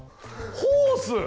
ホース？